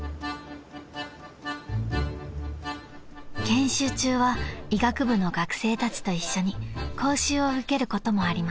［研修中は医学部の学生たちと一緒に講習を受けることもあります］